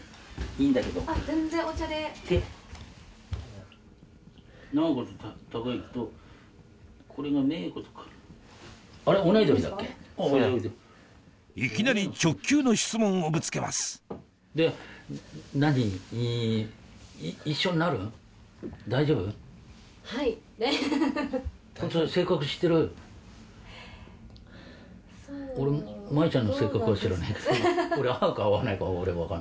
いきなり直球の質問をぶつけますじゃあ。